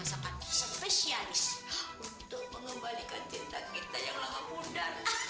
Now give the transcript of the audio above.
sempat spesialis untuk mengembalikan cinta kita yang lama muda